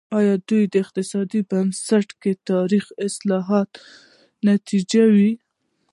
دا وده په اقتصادي بنسټونو کې تاریخي اصلاحاتو نتیجه وه.